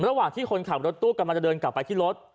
ระหว่างที่คนขับรถตู้กำลังจะเดินกลับไปที่รถ